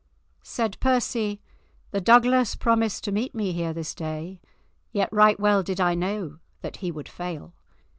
Said Percy: "The Douglas promised to meet me here this day, yet right well did I know that he would fail."